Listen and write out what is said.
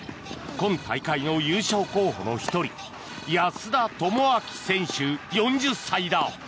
今大会の優勝候補の１人安田智昭選手、４０歳だ。